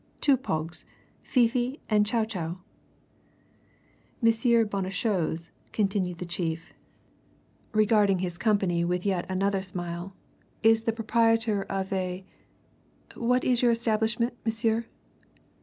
"Two pogs Fifi and Chou Chou." "M. Bonnechose," continued the chief, regarding his company with yet another smile, "is the proprietor of a what is your establishment, monsieur?"